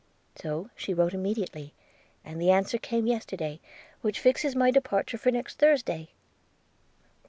– So she wrote immediately, and the answer came yesterday, which fixes my departure for next Thursday.'